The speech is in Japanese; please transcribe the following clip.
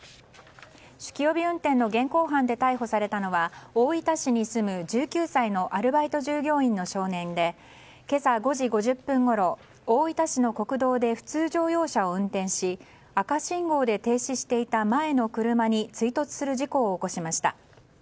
酒気帯び運転の現行犯で逮捕されたのは大分市に住む１９歳のアルバイト従業員の少年で今朝５時５０分ごろ大分市の国道で普通乗用車を運転し赤信号で停止していた前の車に追突する事故を起こしました。